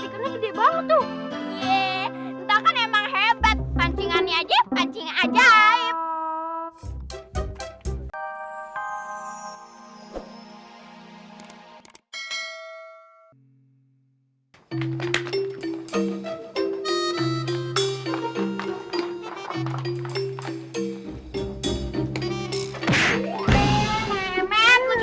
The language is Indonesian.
gede banget tuh emang hebat pancingan aja pancing ajaib